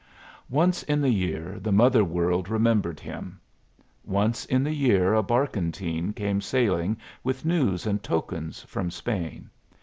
Once in the year the mother world remembered him. Once in the year a barkentine came sailing with news and tokens from Spain.